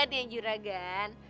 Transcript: lagian ya juragan